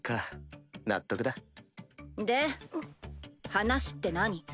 話って何？